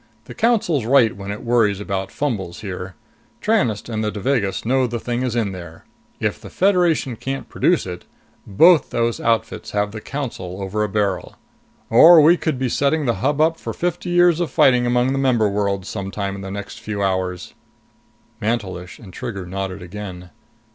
The Council's right when it worries about fumbles here. Tranest and the Devagas know the thing is in there. If the Federation can't produce it, both those outfits have the Council over a barrel. Or we could be setting the Hub up for fifty years of fighting among the member worlds, sometime in the next few hours." Mantelish and Trigger nodded again.